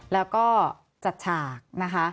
แล้วก็จัดฉาก